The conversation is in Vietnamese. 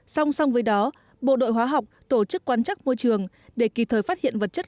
song song với đó bộ đội hóa học tổ chức quan chắc môi trường để kịp thời phát hiện vật chất